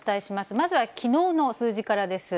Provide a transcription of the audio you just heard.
まずはきのうの数字からです。